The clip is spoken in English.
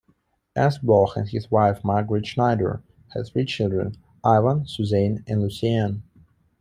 Ernest Bloch and his wife Marguerite Schneider had three children: Ivan, Suzanne and Lucienne.